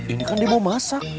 ini kan dia mau masak